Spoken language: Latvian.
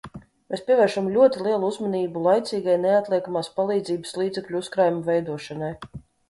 Mēs pievēršam ļoti lielu uzmanību laicīgai neatliekamās palīdzības līdzekļu uzkrājumu veidošanai.